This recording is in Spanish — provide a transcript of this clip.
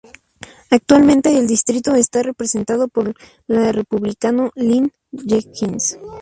Actualmente el distrito está representado por la Republicano Lynn Jenkins.